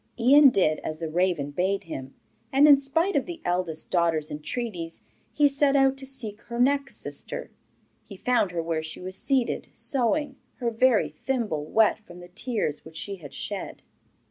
Ian did as the raven bade him, and in spite of the eldest daughter's entreaties, he set out to seek her next sister. He found her where she was seated sewing, her very thimble wet from the tears which she had shed.